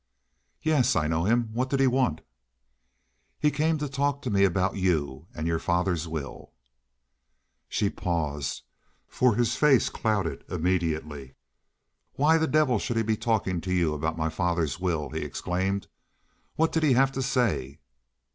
"Yes, I know him. What did he want?" "He came to talk to me about you and your father's will." She paused, for his face clouded immediately. "Why the devil should he be talking to you about my father's will!" he exclaimed. "What did he have to say?"